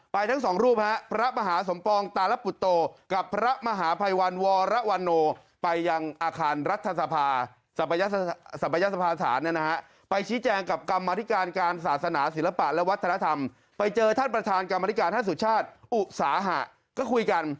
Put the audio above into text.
ไปเจอท่านประธานกรรมอธิการท่านสุชาติอุสาหะก็คุยกัน